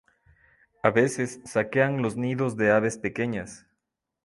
A veces saquean los nidos de aves pequeñas.